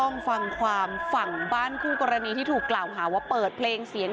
นำดอกที่กรรมเรียน